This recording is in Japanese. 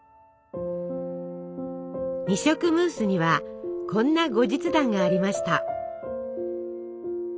二色ムースにはこんな後日談がありました。